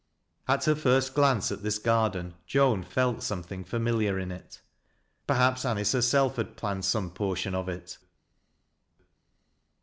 At her first glance at this garden Joan felt something familiar in it. Perhaps Anice herself had planned some portion of it.